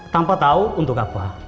tanpa tahu untuk apa